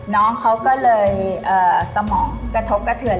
น้องเขาก็เลยสมองกระทบกระเทือน